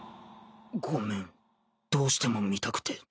ごめんどうしても見たくて。